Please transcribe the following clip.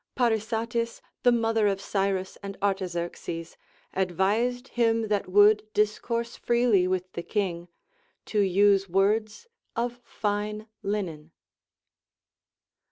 Parysatis, the mother of Cyrus and Arta xerxes, advised him that would discourse freely with the king, to use words of fine linen.